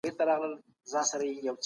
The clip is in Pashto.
طبيعي قوانين په هر ځای کې ورته نه وي؟